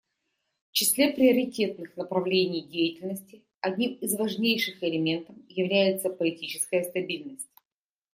В числе приоритетных направлений деятельности одним из важнейших элементов является политическая стабильность.